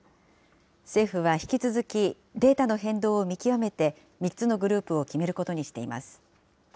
政府は引き続きデータの変動を見極めて、３つのグループを決めることにしています。